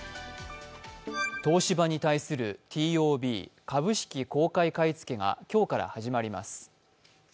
東芝に対するＴＯＢ＝株式公開買い付けが今日から始まります。